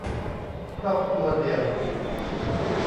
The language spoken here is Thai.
ครอบครัวเดี่ยว